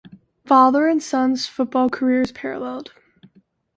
Father and son's football careers paralleled.